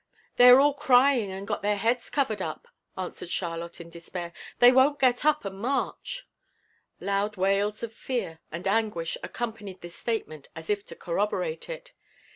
"They are all crying and got their heads covered up," answered Charlotte in despair. "They won't get up and march." Loud wails of fear and anguish accompanied this statement, as if to corroborate it.